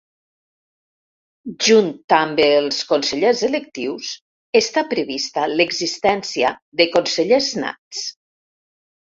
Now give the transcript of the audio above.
Junt amb els consellers electius, està prevista l'existència de consellers nats.